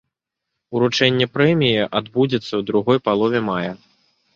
Уручэнне прэміі адбудзецца ў другой палове мая.